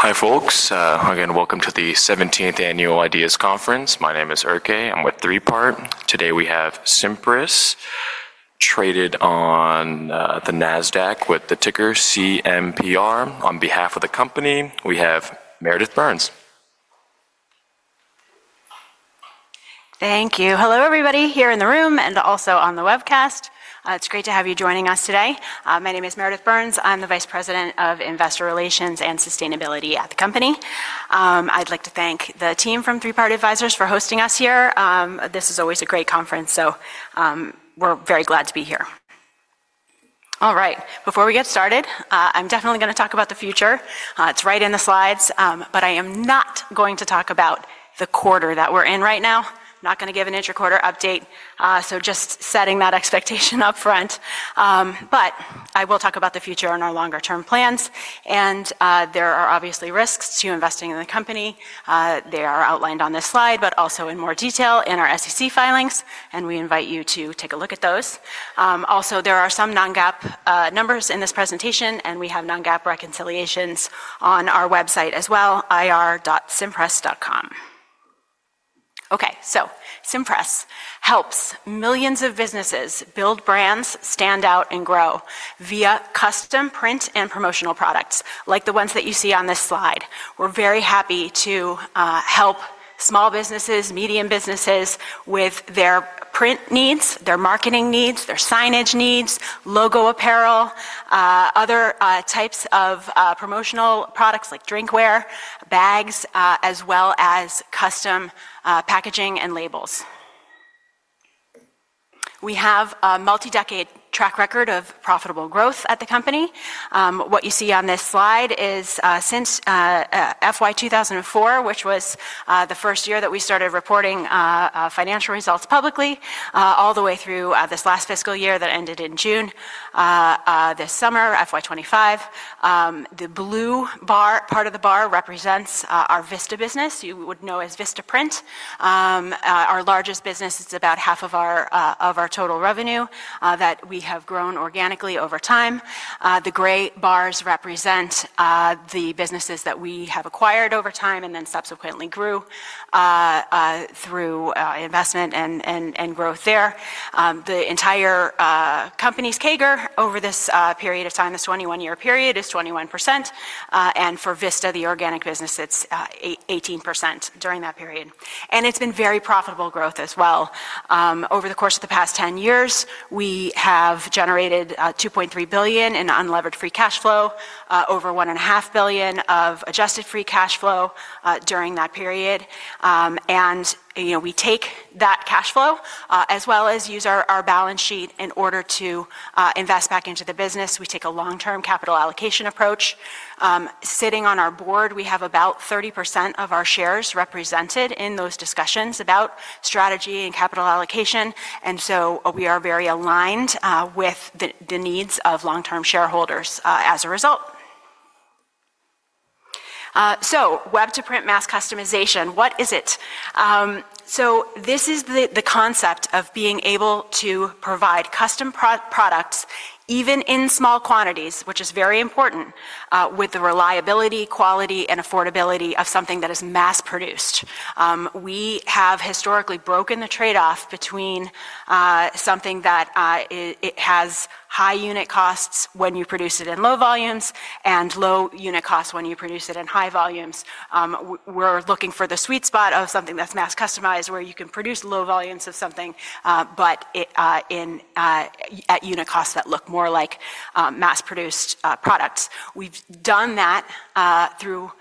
Hi folks, again welcome to the 17th Annual Ideas Conference. My name is Erke. I'm with 3Part. Today we have Cimpress traded on the NASDAQ with the ticker CMPR. On behalf of the company, we have Meredith Burns. Thank you. Hello everybody here in the room and also on the webcast. It's great to have you joining us today. My name is Meredith Burns. I'm the Vice President of Investor Relations and Sustainability at the company. I'd like to thank the team from 3Part Advisors for hosting us here. This is always a great conference, so we're very glad to be here. All right, before we get started, I'm definitely going to talk about the future. It's right in the slides, but I am not going to talk about the quarter that we're in right now. I'm not going to give an intra-quarter update, just setting that expectation up front. I will talk about the future and our longer-term plans. There are obviously risks to investing in the company. They are outlined on this slide, but also in more detail in our SEC filings, and we invite you to take a look at those. Also, there are some non-GAAP numbers in this presentation, and we have non-GAAP reconciliations on our website as well, ir.cimpress.com. Cimpress helps millions of businesses build brands, stand out, and grow via custom print and promotional products like the ones that you see on this slide. We are very happy to help small businesses, medium businesses with their print needs, their marketing needs, their signage needs, logo apparel, other types of promotional products like drinkware, bags, as well as custom packaging and labels. We have a multi-decade track record of profitable growth at the company. What you see on this slide is since FY 2004, which was the first year that we started reporting financial results publicly, all the way through this last fiscal year that ended in June this summer, FY 2025. The blue bar, part of the bar, represents our Vista business, you would know as Vistaprint. Our largest business is about half of our total revenue that we have grown organically over time. The gray bars represent the businesses that we have acquired over time and then subsequently grew through investment and growth there. The entire company's CAGR over this period of time, this 21-year period, is 21%. For Vista, the organic business, it's 18% during that period. It's been very profitable growth as well. Over the course of the past 10 years, we have generated $2.3 billion in unlevered free cash flow, over $1.5 billion of adjusted free cash flow during that period. We take that cash flow as well as use our balance sheet in order to invest back into the business. We take a long-term capital allocation approach. Sitting on our board, we have about 30% of our shares represented in those discussions about strategy and capital allocation. We are very aligned with the needs of long-term shareholders as a result. Web-to-print mass customization, what is it? This is the concept of being able to provide custom products even in small quantities, which is very important with the reliability, quality, and affordability of something that is mass-produced. We have historically broken the trade-off between something that has high unit costs when you produce it in low volumes and low unit costs when you produce it in high volumes. We're looking for the sweet spot of something that's mass customized where you can produce low volumes of something, but at unit costs that look more like mass-produced products. We've done that through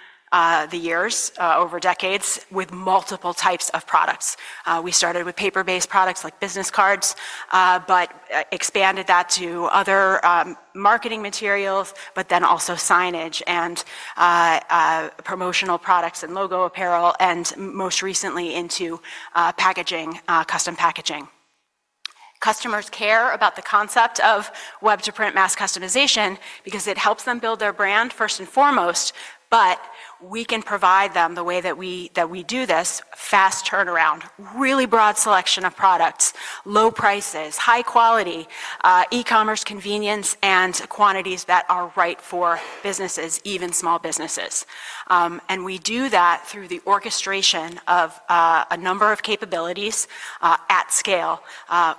the years, over decades, with multiple types of products. We started with paper-based products like business cards, but expanded that to other marketing materials, but then also signage and promotional products and logo apparel, and most recently into custom packaging. Customers care about the concept of web-to-print mass customization because it helps them build their brand first and foremost, but we can provide them the way that we do this: fast turnaround, really broad selection of products, low prices, high quality, e-commerce convenience, and quantities that are right for businesses, even small businesses. We do that through the orchestration of a number of capabilities at scale,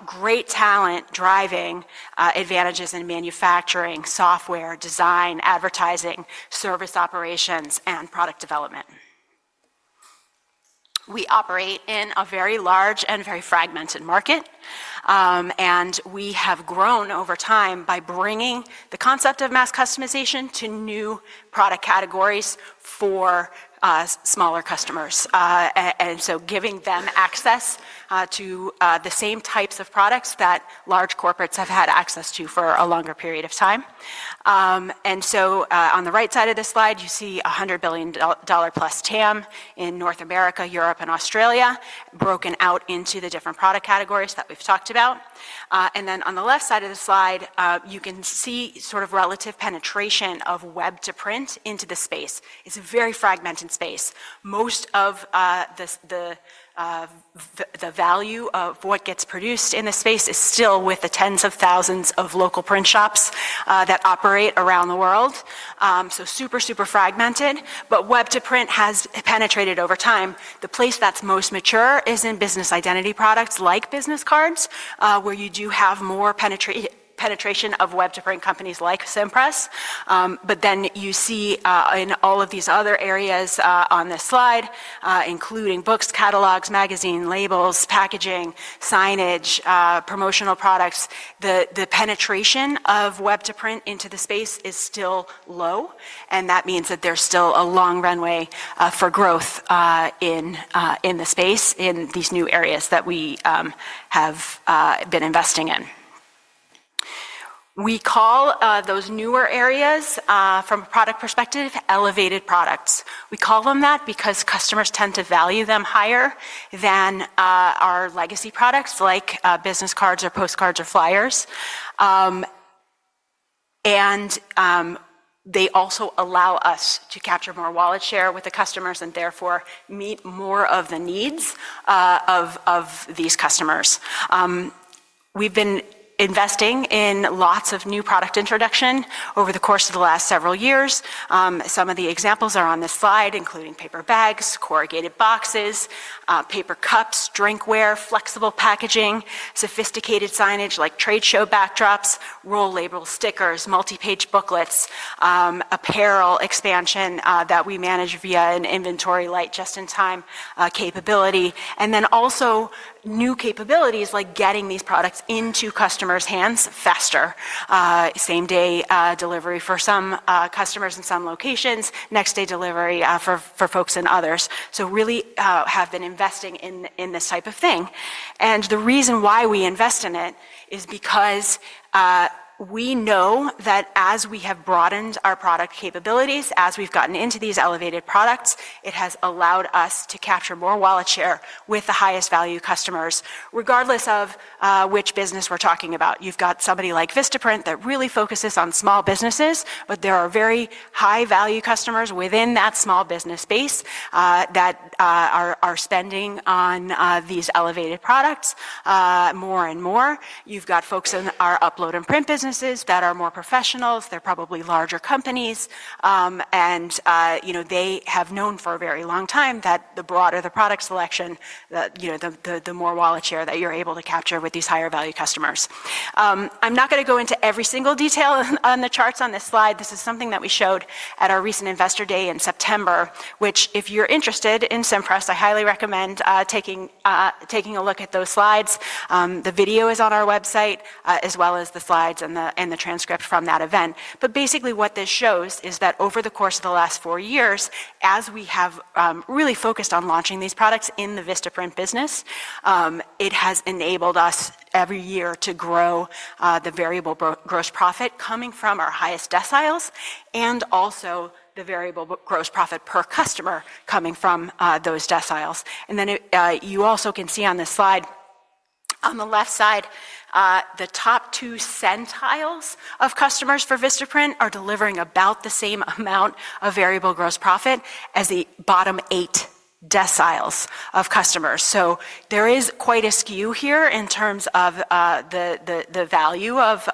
great talent driving advantages in manufacturing, software, design, advertising, service operations, and product development. We operate in a very large and very fragmented market, and we have grown over time by bringing the concept of mass customization to new product categories for smaller customers, and so giving them access to the same types of products that large corporates have had access to for a longer period of time. On the right side of this slide, you see $100 billion plus TAM in North America, Europe, and Australia, broken out into the different product categories that we've talked about. On the left side of the slide, you can see sort of relative penetration of web-to-print into the space. It's a very fragmented space. Most of the value of what gets produced in the space is still with the tens of thousands of local print shops that operate around the world. Super, super fragmented, but web-to-print has penetrated over time. The place that's most mature is in business identity products like business cards, where you do have more penetration of web-to-print companies like Cimpress. Then you see in all of these other areas on this slide, including books, catalogs, magazines, labels, packaging, signage, promotional products, the penetration of web-to-print into the space is still low, and that means that there's still a long runway for growth in the space in these new areas that we have been investing in. We call those newer areas, from a product perspective, elevated products. We call them that because customers tend to value them higher than our legacy products like business cards or postcards or flyers. They also allow us to capture more wallet share with the customers and therefore meet more of the needs of these customers. We've been investing in lots of new product introduction over the course of the last several years. Some of the examples are on this slide, including paper bags, corrugated boxes, paper cups, drinkware, flexible packaging, sophisticated signage like trade show backdrops, roll label stickers, multi-page booklets, apparel expansion that we manage via an inventory light just-in-time capability, and then also new capabilities like getting these products into customers' hands faster. Same-day delivery for some customers in some locations, next-day delivery for folks in others. We really have been investing in this type of thing. The reason why we invest in it is because we know that as we have broadened our product capabilities, as we've gotten into these elevated products, it has allowed us to capture more wallet share with the highest value customers, regardless of which business we're talking about. You've got somebody like Vistaprint that really focuses on small businesses, but there are very high-value customers within that small business space that are spending on these elevated products more and more. You've got folks in our upload and print businesses that are more professionals. They're probably larger companies, and they have known for a very long time that the broader the product selection, the more wallet share that you're able to capture with these higher-value customers. I'm not going to go into every single detail on the charts on this slide. This is something that we showed at our recent investor day in September, which if you're interested in Cimpress, I highly recommend taking a look at those slides. The video is on our website as well as the slides and the transcript from that event. Basically what this shows is that over the course of the last four years, as we have really focused on launching these products in the Vistaprint business, it has enabled us every year to grow the variable gross profit coming from our highest deciles and also the variable gross profit per customer coming from those deciles. You also can see on this slide, on the left side, the top two centiles of customers for Vistaprint are delivering about the same amount of variable gross profit as the bottom eight deciles of customers. There is quite a skew here in terms of the value of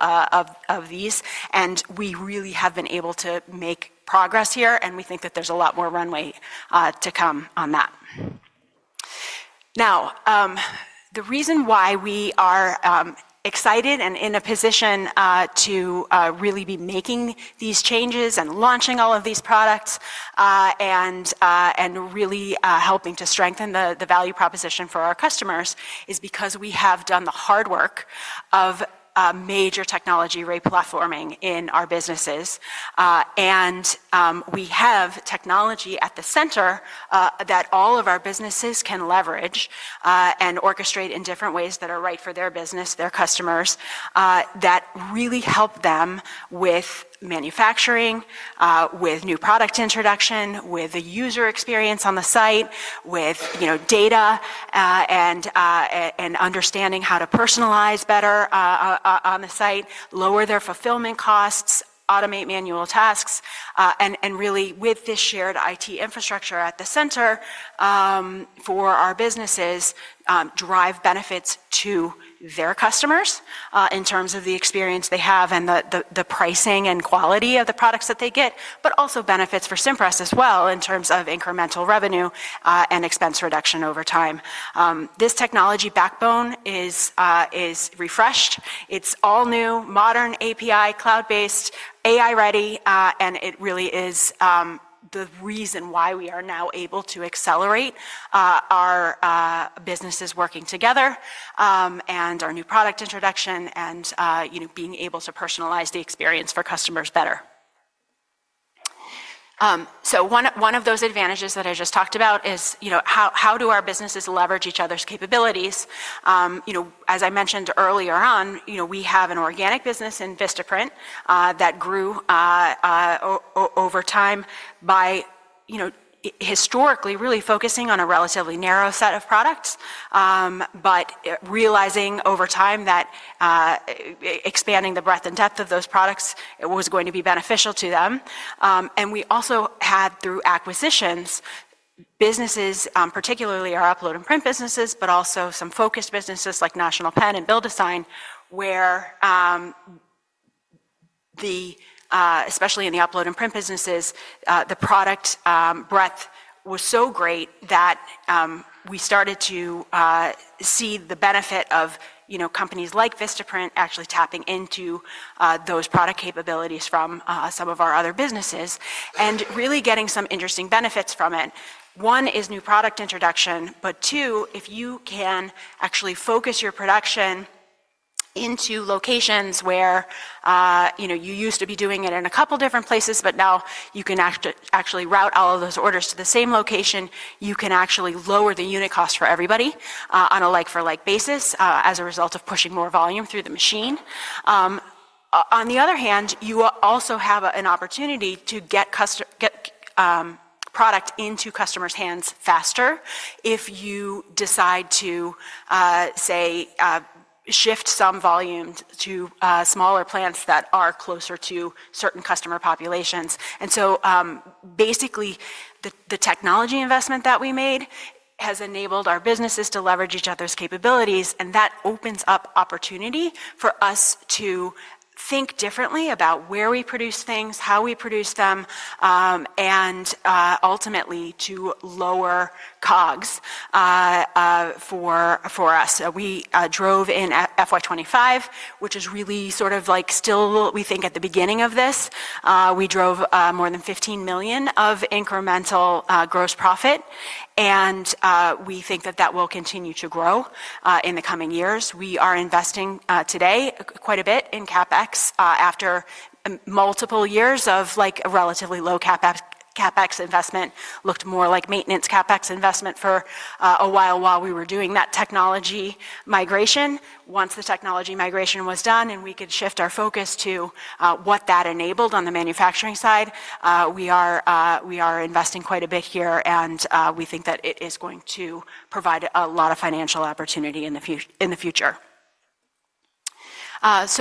these, and we really have been able to make progress here, and we think that there's a lot more runway to come on that. Now, the reason why we are excited and in a position to really be making these changes and launching all of these products and really helping to strengthen the value proposition for our customers is because we have done the hard work of major technology replatforming in our businesses. We have technology at the center that all of our businesses can leverage and orchestrate in different ways that are right for their business, their customers, that really help them with manufacturing, with new product introduction, with the user experience on the site, with data and understanding how to personalize better on the site, lower their fulfillment costs, automate manual tasks, and really with this shared IT infrastructure at the center for our businesses drive benefits to their customers in terms of the experience they have and the pricing and quality of the products that they get, but also benefits for Cimpress as well in terms of incremental revenue and expense reduction over time. This technology backbone is refreshed. It's all new, modern, API, cloud-based, AI-ready, and it really is the reason why we are now able to accelerate our businesses working together and our new product introduction and being able to personalize the experience for customers better. One of those advantages that I just talked about is how do our businesses leverage each other's capabilities. As I mentioned earlier on, we have an organic business in Vistaprint that grew over time by historically really focusing on a relatively narrow set of products, but realizing over time that expanding the breadth and depth of those products was going to be beneficial to them. We also had through acquisitions, businesses, particularly our upload and print businesses, but also some focused businesses like National Pen and BuildASign, where especially in the upload and print businesses, the product breadth was so great that we started to see the benefit of companies like Vistaprint actually tapping into those product capabilities from some of our other businesses and really getting some interesting benefits from it. One is new product introduction, but two, if you can actually focus your production into locations where you used to be doing it in a couple of different places, but now you can actually route all of those orders to the same location, you can actually lower the unit cost for everybody on a like-for-like basis as a result of pushing more volume through the machine. On the other hand, you also have an opportunity to get product into customers' hands faster if you decide to, say, shift some volume to smaller plants that are closer to certain customer populations. Basically, the technology investment that we made has enabled our businesses to leverage each other's capabilities, and that opens up opportunity for us to think differently about where we produce things, how we produce them, and ultimately to lower COGS for us. We drove in FY2025, which is really sort of like still, we think at the beginning of this, we drove more than $15 million of incremental gross profit, and we think that that will continue to grow in the coming years. We are investing today quite a bit in CapEx after multiple years of relatively low CapEx investment, looked more like maintenance CapEx investment for a while while we were doing that technology migration. Once the technology migration was done and we could shift our focus to what that enabled on the manufacturing side, we are investing quite a bit here, and we think that it is going to provide a lot of financial opportunity in the future.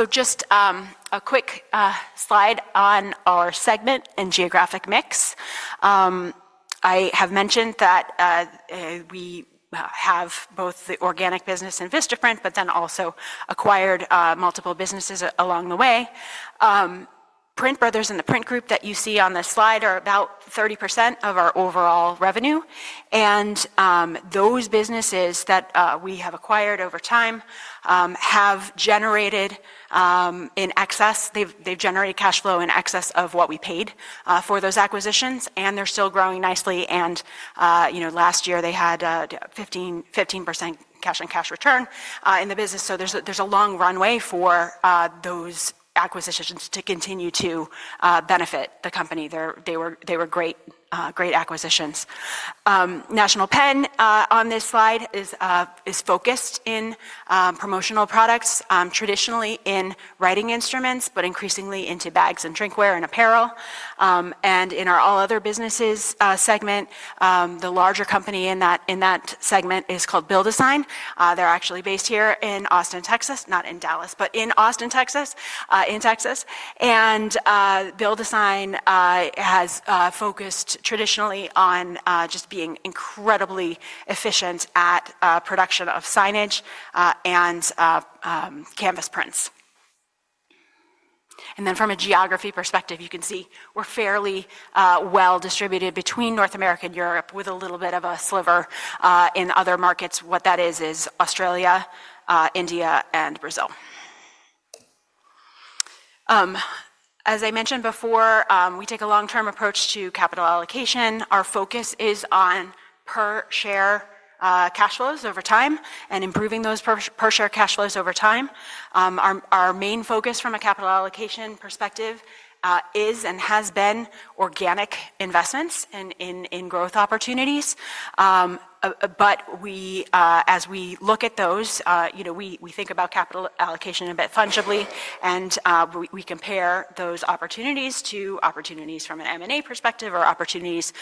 Just a quick slide on our segment and geographic mix. I have mentioned that we have both the organic business and Vistaprint, but then also acquired multiple businesses along the way. PrintBrothers and the print group that you see on this slide are about 30% of our overall revenue, and those businesses that we have acquired over time have generated in excess, they've generated cash flow in excess of what we paid for those acquisitions, and they're still growing nicely. Last year they had 15% cash on cash return in the business, so there's a long runway for those acquisitions to continue to benefit the company. They were great acquisitions. National Pen on this slide is focused in promotional products, traditionally in writing instruments, but increasingly into bags and drinkware and apparel. In our all other businesses segment, the larger company in that segment is called BuildASign. They're actually based here in Austin, Texas, not in Dallas, but in Austin, Texas, in Texas. Build-A-Sign has focused traditionally on just being incredibly efficient at production of signage and canvas prints. From a geography perspective, you can see we're fairly well distributed between North America and Europe, with a little bit of a sliver in other markets. What that is, is Australia, India, and Brazil. As I mentioned before, we take a long-term approach to capital allocation. Our focus is on per-share cash flows over time and improving those per-share cash flows over time. Our main focus from a capital allocation perspective is and has been organic investments in growth opportunities, but as we look at those, we think about capital allocation a bit fungibly, and we compare those opportunities to opportunities from an M&A perspective or opportunities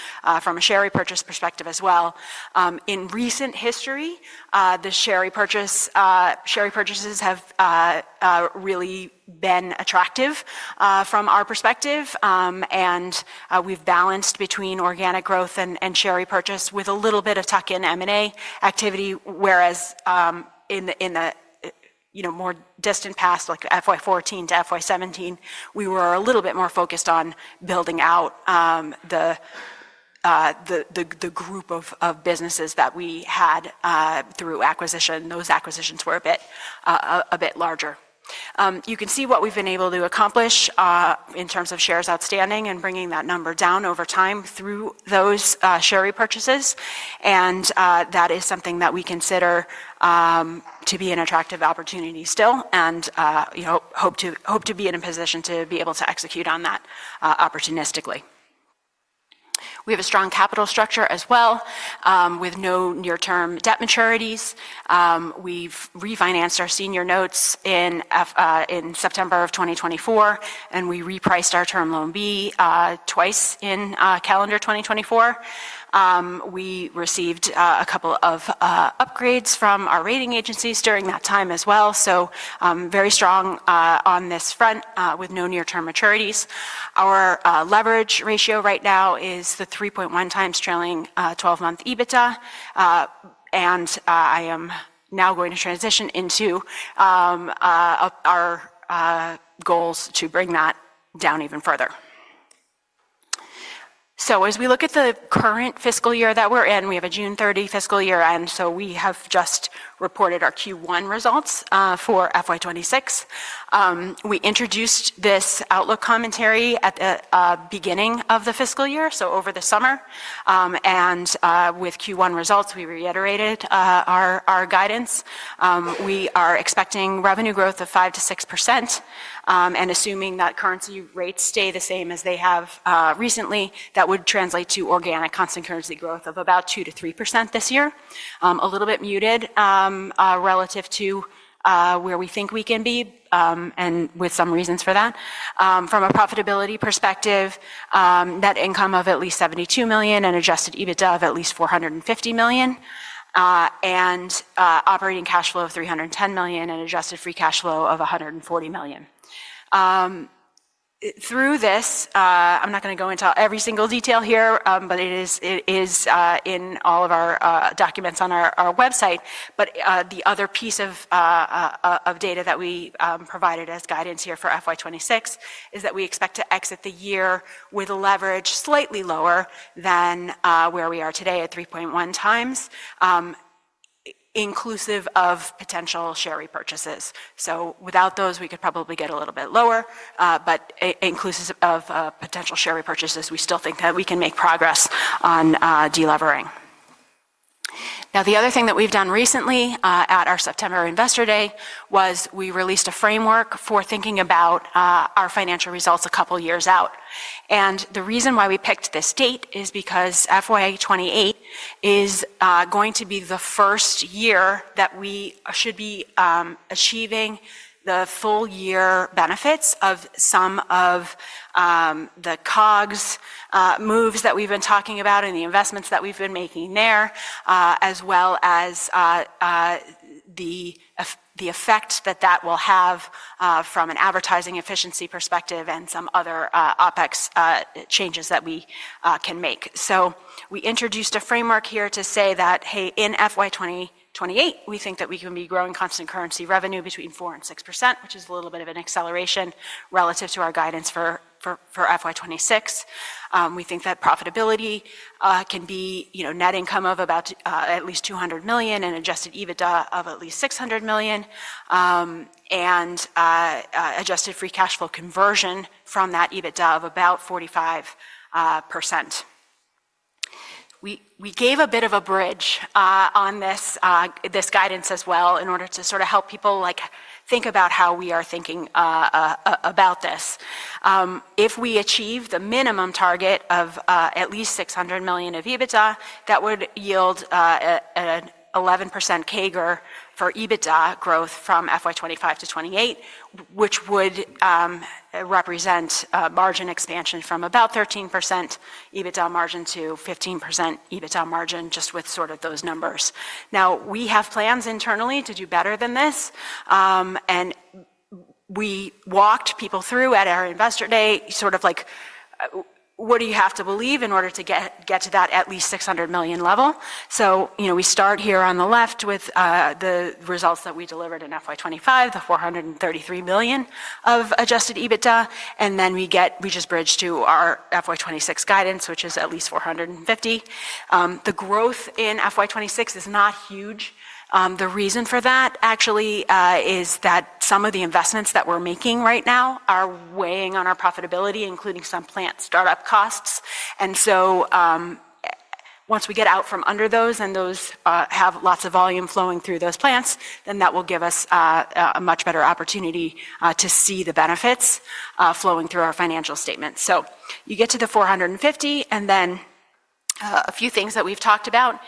from a share repurchase perspective as well. In recent history, the share repurchases have really been attractive from our perspective, and we've balanced between organic growth and share repurchase with a little bit of tuck-in M&A activity, whereas in the more distant past, like FY2014 to FY2017, we were a little bit more focused on building out the group of businesses that we had through acquisition. Those acquisitions were a bit larger. You can see what we've been able to accomplish in terms of shares outstanding and bringing that number down over time through those share repurchases, and that is something that we consider to be an attractive opportunity still and hope to be in a position to be able to execute on that opportunistically. We have a strong capital structure as well with no near-term debt maturities. We've refinanced our senior notes in September of 2024, and we repriced our term loan B twice in calendar 2024. We received a couple of upgrades from our rating agencies during that time as well, so very strong on this front with no near-term maturities. Our leverage ratio right now is the 3.1 times trailing 12-month EBITDA, and I am now going to transition into our goals to bring that down even further. As we look at the current fiscal year that we're in, we have a June 30 fiscal year, and we have just reported our Q1 results for FY26. We introduced this outlook commentary at the beginning of the fiscal year, over the summer, and with Q1 results, we reiterated our guidance. We are expecting revenue growth of 5%-6%, and assuming that currency rates stay the same as they have recently, that would translate to organic constant currency growth of about 2%-3% this year, a little bit muted relative to where we think we can be and with some reasons for that. From a profitability perspective, net income of at least $72 million and adjusted EBITDA of at least $450 million, and operating cash flow of $310 million and adjusted free cash flow of $140 million. Through this, I'm not going to go into every single detail here, but it is in all of our documents on our website, but the other piece of data that we provided as guidance here for FY2026 is that we expect to exit the year with leverage slightly lower than where we are today at 3.1 times, inclusive of potential share repurchases. Without those, we could probably get a little bit lower, but inclusive of potential share repurchases, we still think that we can make progress on delevering. The other thing that we've done recently at our September Investor Day was we released a framework for thinking about our financial results a couple of years out. The reason why we picked this date is because FY28 is going to be the first year that we should be achieving the full-year benefits of some of the COGS moves that we've been talking about and the investments that we've been making there, as well as the effect that that will have from an advertising efficiency perspective and some other OPEX changes that we can make. We introduced a framework here to say that, hey, in FY2028, we think that we can be growing constant currency revenue between 4% and 6%, which is a little bit of an acceleration relative to our guidance for FY2026. We think that profitability can be net income of about at least $200 million and adjusted EBITDA of at least $600 million and adjusted free cash flow conversion from that EBITDA of about 45%. We gave a bit of a bridge on this guidance as well in order to sort of help people think about how we are thinking about this. If we achieve the minimum target of at least $600 million of EBITDA, that would yield an 11% CAGR for EBITDA growth from FY2025 to 2028, which would represent margin expansion from about 13% EBITDA margin to 15% EBITDA margin just with sort of those numbers. Now, we have plans internally to do better than this, and we walked people through at our investor day sort of like, what do you have to believe in order to get to that at least $600 million level? We start here on the left with the results that we delivered in FY2025, the $433 million of adjusted EBITDA, and then we just bridge to our FY2026 guidance, which is at least $450 million. The growth in FY2026 is not huge. The reason for that actually is that some of the investments that we're making right now are weighing on our profitability, including some plant startup costs. Once we get out from under those and those have lots of volume flowing through those plants, that will give us a much better opportunity to see the benefits flowing through our financial statements. You get to the $450 million, and then a few things that we've talked about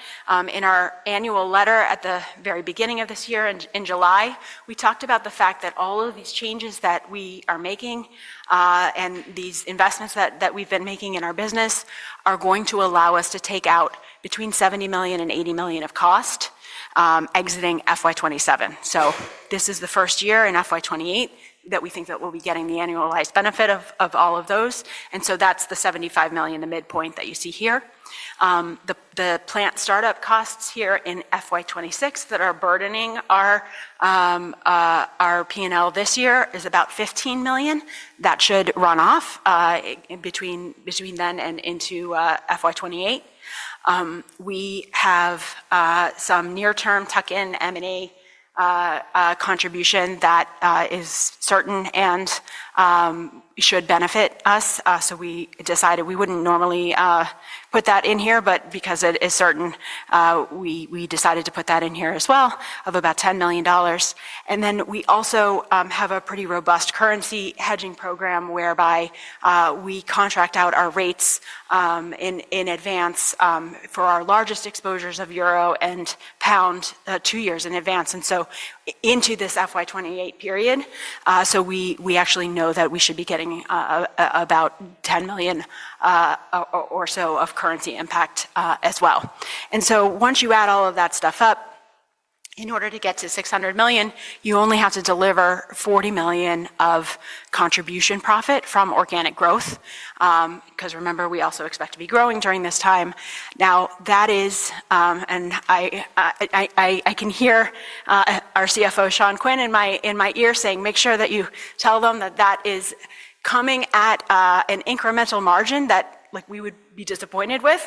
in our annual letter at the very beginning of this year in July, we talked about the fact that all of these changes that we are making and these investments that we've been making in our business are going to allow us to take out between $70 million and $80 million of cost exiting FY2027. This is the first year in FY2028 that we think that we'll be getting the annualized benefit of all of those. That is the $75 million, the midpoint that you see here. The plant startup costs here in FY2026 that are burdening our P&L this year is about $15 million. That should run off between then and into FY2028. We have some near-term tuck-in M&A contribution that is certain and should benefit us. We decided we would not normally put that in here, but because it is certain, we decided to put that in here as well of about $10 million. We also have a pretty robust currency hedging program whereby we contract out our rates in advance for our largest exposures of euro and pound two years in advance. Into this FY28 period, we actually know that we should be getting about $10 million or so of currency impact as well. Once you add all of that stuff up, in order to get to $600 million, you only have to deliver $40 million of contribution profit from organic growth because remember, we also expect to be growing during this time. Now, that is, and I can hear our CFO, Sean Quinn, in my ear saying, "Make sure that you tell them that that is coming at an incremental margin that we would be disappointed with.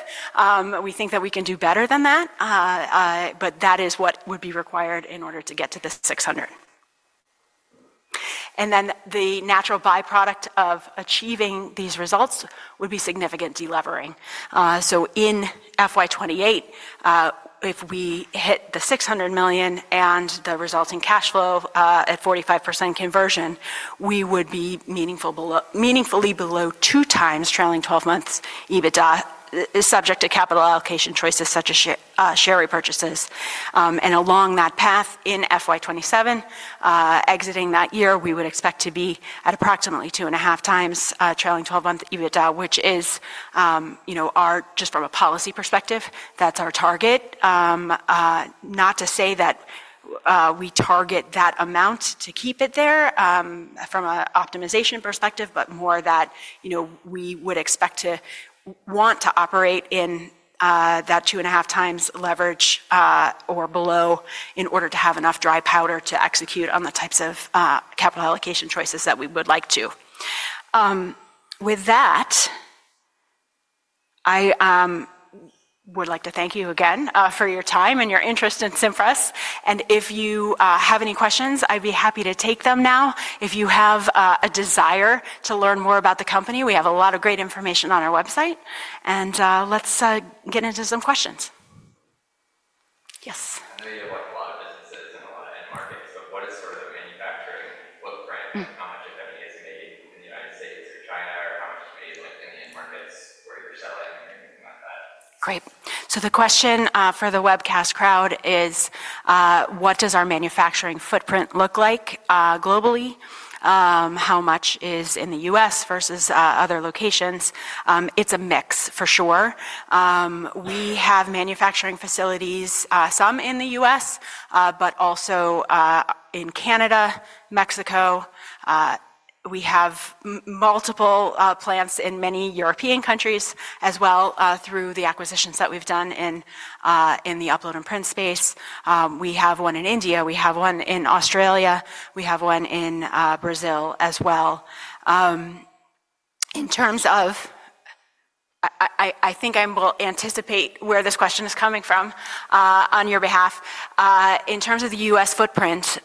We think that we can do better than that, but that is what would be required in order to get to the 600." The natural byproduct of achieving these results would be significant delevering. In FY28, if we hit the $600 million and the resulting cash flow at 45% conversion, we would be meaningfully below two times trailing 12-month EBITDA, subject to capital allocation choices such as share repurchases. Along that path in FY27, exiting that year, we would expect to be at approximately two and a half times trailing 12-month EBITDA, which is our, just from a policy perspective, that's our target. Not to say that we target that amount to keep it there from an optimization perspective, but more that we would expect to want to operate in that two and a half times leverage or below in order to have enough dry powder to execute on the types of capital allocation choices that we would like to. With that, I would like to thank you again for your time and your interest in Cimpress. If you have any questions, I'd be happy to take them now. If you have a desire to learn more about the company, we have a lot of great information on our website. Let's get into some questions. Yes. I know you have a lot of businesses in a lot of end markets, but what is sort of the manufacturing footprint? How much, if any, is made in the United States or China, or how much is made in the end markets where you're selling or anything like that? Great. The question for the webcast crowd is, what does our manufacturing footprint look like globally? How much is in the U.S. versus other locations? It's a mix, for sure. We have manufacturing facilities, some in the U.S., but also in Canada, Mexico. We have multiple plants in many European countries as well through the acquisitions that we've done in the upload and print space. We have one in India. We have one in Australia. We have one in Brazil as well. In terms of, I think I will anticipate where this question is coming from on your behalf. In terms of the U.S. footprint,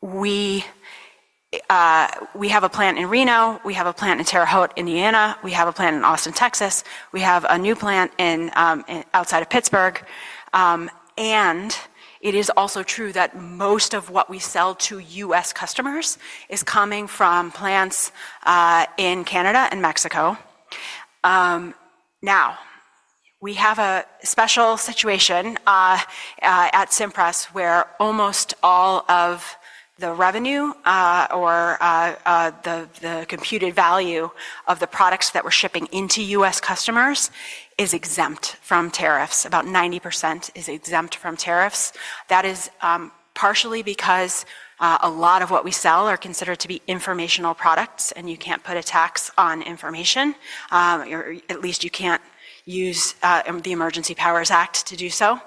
we have a plant in Reno. We have a plant in Terre Haute, Indiana. We have a plant in Austin, Texas. We have a new plant outside of Pittsburgh. It is also true that most of what we sell to U.S. customers is coming from plants in Canada and Mexico. Now, we have a special situation at Cimpress where almost all of the revenue or the computed value of the products that we're shipping into U.S. customers is exempt from tariffs. About 90% is exempt from tariffs. That is partially because a lot of what we sell are considered to be informational products, and you can't put a tax on information. At least you can't use the Emergency Powers Act to do so.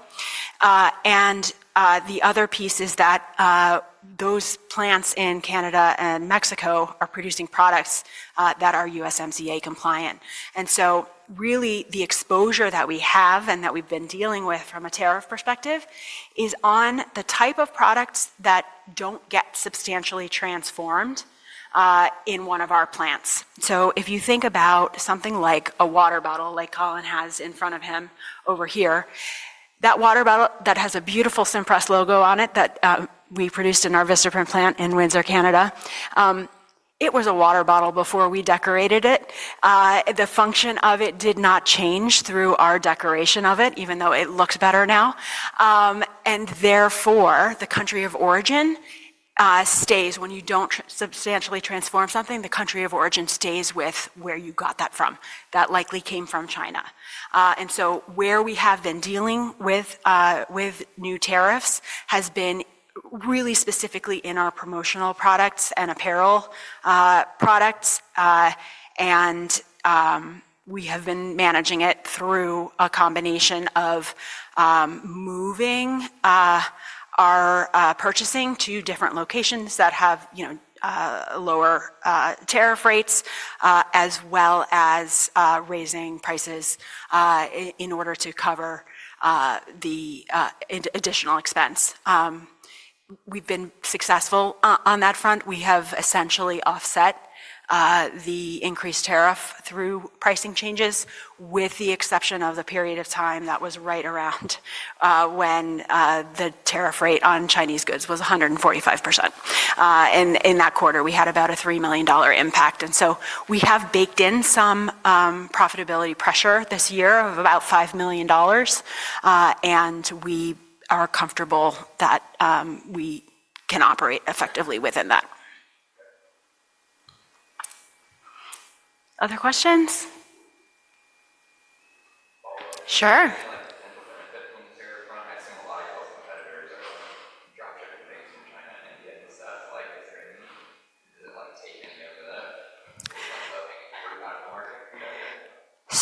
The other piece is that those plants in Canada and Mexico are producing products that are USMCA compliant. Really, the exposure that we have and that we've been dealing with from a tariff perspective is on the type of products that don't get substantially transformed in one of our plants. If you think about something like a water bottle like Colin has in front of him over here, that water bottle that has a beautiful Cimpress logo on it that we produced in our Vistaprint plant in Windsor, Canada, it was a water bottle before we decorated it. The function of it did not change through our decoration of it, even though it looks better now. Therefore, the country of origin stays when you don't substantially transform something, the country of origin stays with where you got that from. That likely came from China. Where we have been dealing with new tariffs has been really specifically in our promotional products and apparel products. We have been managing it through a combination of moving our purchasing to different locations that have lower tariff rates as well as raising prices in order to cover the additional expense. We've been successful on that front. We have essentially offset the increased tariff through pricing changes with the exception of the period of time that was right around when the tariff rate on Chinese goods was 145%. In that quarter, we had about a $3 million impact. We have baked in some profitability pressure this year of about $5 million. We are comfortable that we can operate effectively within that. Other questions? Sure.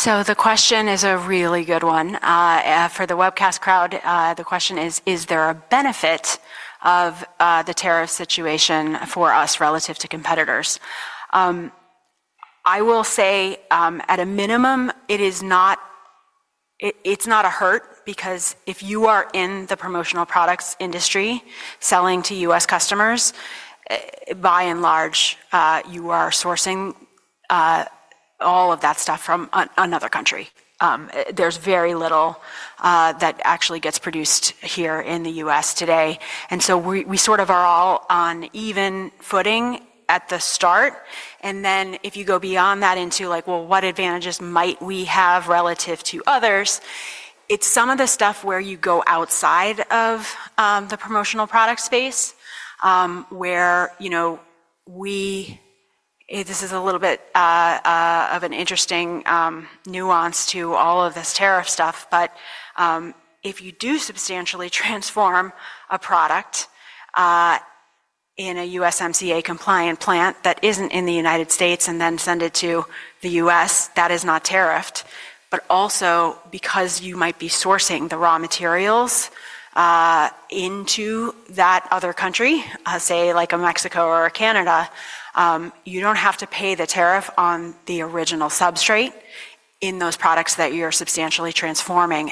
I've seen a lot of your competitors drop shipping things from China and India. Is there any take any of the 45-hour market? The question is a really good one. For the webcast crowd, the question is, is there a benefit of the tariff situation for us relative to competitors? I will say, at a minimum, it's not a hurt because if you are in the promotional products industry selling to U.S. customers, by and large, you are sourcing all of that stuff from another country. There's very little that actually gets produced here in the U.S. today. We sort of are all on even footing at the start. If you go beyond that into, what advantages might we have relative to others, it's some of the stuff where you go outside of the promotional product space where this is a little bit of an interesting nuance to all of this tariff stuff. If you do substantially transform a product in a USMCA compliant plant that is not in the United States and then send it to the US, that is not tariffed. Also, because you might be sourcing the raw materials into that other country, say like a Mexico or a Canada, you do not have to pay the tariff on the original substrate in those products that you are substantially transforming.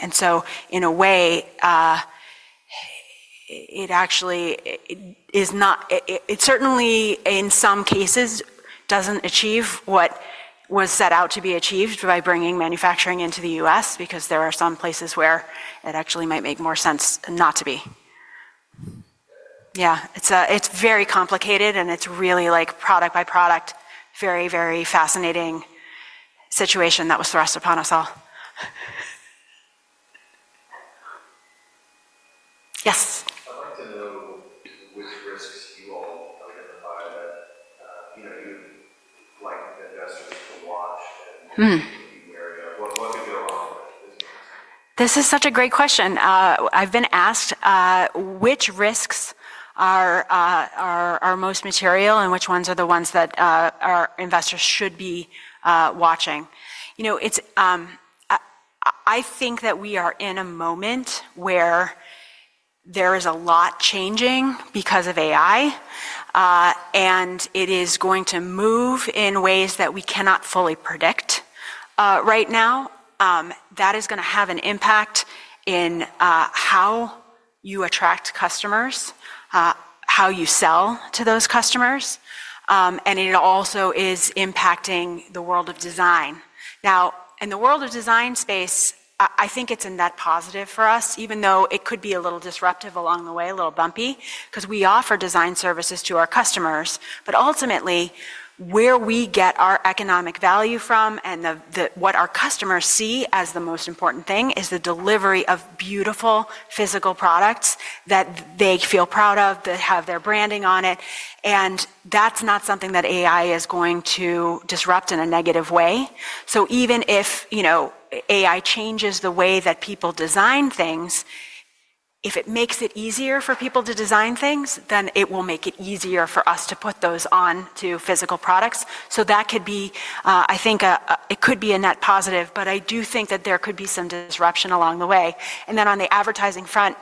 In a way, it actually is not, it certainly in some cases does not achieve what was set out to be achieved by bringing manufacturing into the US because there are some places where it actually might make more sense not to be. Yeah, it is very complicated and it is really like product by product, very, very fascinating situation that was thrust upon us all. Yes. I'd like to know which risks you all identify that you'd like investors to watch and be wary of. What could go wrong with this? This is such a great question. I've been asked which risks are most material and which ones are the ones that our investors should be watching. I think that we are in a moment where there is a lot changing because of AI, and it is going to move in ways that we cannot fully predict right now. That is going to have an impact in how you attract customers, how you sell to those customers, and it also is impacting the world of design. Now, in the world of design space, I think it's a net positive for us, even though it could be a little disruptive along the way, a little bumpy, because we offer design services to our customers. Ultimately, where we get our economic value from and what our customers see as the most important thing is the delivery of beautiful physical products that they feel proud of, that have their branding on it. That is not something that AI is going to disrupt in a negative way. Even if AI changes the way that people design things, if it makes it easier for people to design things, then it will make it easier for us to put those on to physical products. That could be, I think it could be a net positive, but I do think that there could be some disruption along the way. On the advertising front,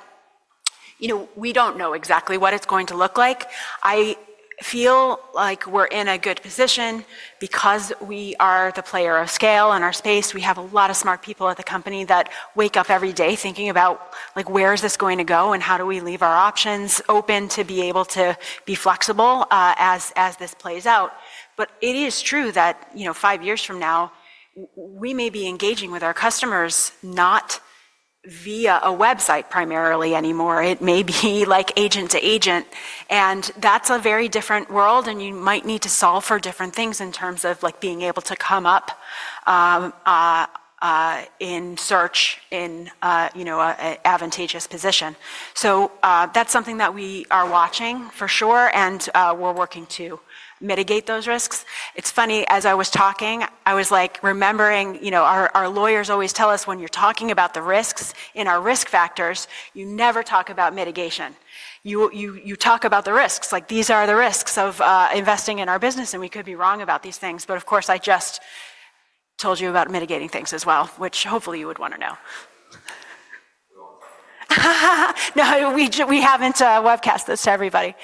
we do not know exactly what it is going to look like. I feel like we are in a good position because we are the player of scale in our space. We have a lot of smart people at the company that wake up every day thinking about where is this going to go and how do we leave our options open to be able to be flexible as this plays out. It is true that five years from now, we may be engaging with our customers not via a website primarily anymore. It may be like agent to agent. That is a very different world, and you might need to solve for different things in terms of being able to come up in search in an advantageous position. That is something that we are watching for sure, and we are working to mitigate those risks. It's funny, as I was talking, I was remembering our lawyers always tell us when you're talking about the risks in our risk factors, you never talk about mitigation. You talk about the risks. These are the risks of investing in our business, and we could be wrong about these things. Of course, I just told you about mitigating things as well, which hopefully you would want to know. No, we haven't webcast this to everybody.